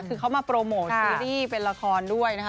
คือเขามาโปรโมทซีรีส์เป็นละครด้วยนะคะ